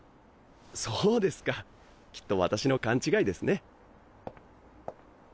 そうですかきっと私の勘違いですね。